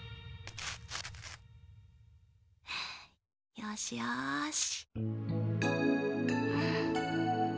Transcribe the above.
よしよし。